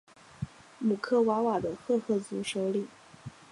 姆克瓦瓦的赫赫族首领。